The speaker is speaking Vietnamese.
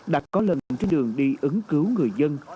đặc có lần trên đường đi ứng cứu người dân